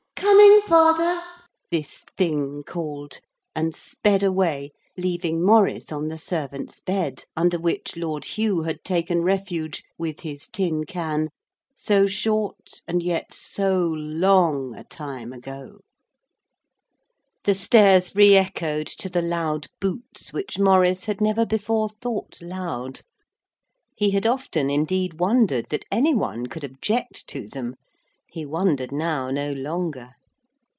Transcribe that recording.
'Coming, father,' this thing called, and sped away, leaving Maurice on the servant's bed under which Lord Hugh had taken refuge, with his tin can, so short and yet so long a time ago. The stairs re echoed to the loud boots which Maurice had never before thought loud; he had often, indeed, wondered that any one could object to them. He wondered now no longer.